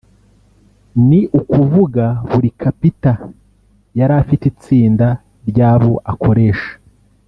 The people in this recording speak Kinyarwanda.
ni ukuvuga buri kapita yari afite itsinda ry’abo akoresha